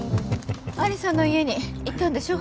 亜理紗の家に行ったんでしょ？